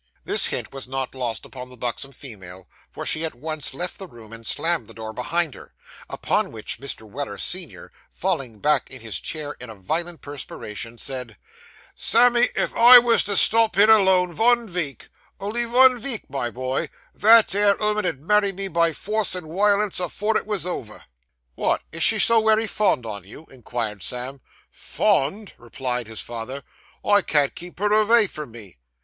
This hint was not lost upon the buxom female; for she at once left the room, and slammed the door behind her, upon which Mr. Weller, senior, falling back in his chair in a violent perspiration, said 'Sammy, if I wos to stop here alone vun week only vun week, my boy that 'ere 'ooman 'ud marry me by force and wiolence afore it was over.' 'Wot! is she so wery fond on you?' inquired Sam. 'Fond!' replied his father. 'I can't keep her avay from me.